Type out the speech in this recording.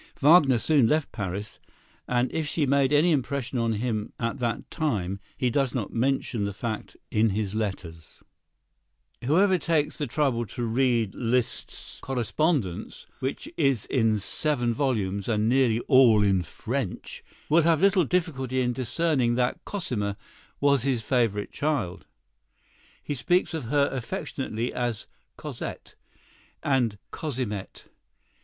Wagner soon left Paris, and if she made any impression on him at that time, he does not mention the fact in his letters. [Illustration: Cosima, wife of Wagner. From a portrait bust made before her marriage.] Whoever takes the trouble to read Liszt's correspondence, which is in seven volumes and nearly all in French, will have little difficulty in discerning that Cosima was his favorite child. He speaks of her affectionately as "Cosette" and "Cosimette."